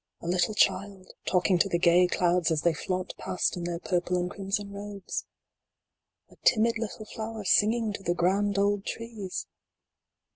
A little child talking to the gay clouds as they flaunt past in their purple and crimson robes ? A timid little flower singing to the grand old trees